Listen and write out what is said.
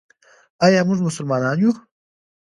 آیا موږ مسلمانان یو؟